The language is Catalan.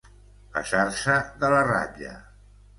Passar-se de la ratlla.